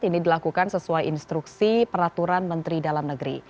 ini dilakukan sesuai instruksi peraturan menteri dalam negeri